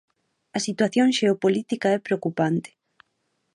A situación xeopolítica é preocupante.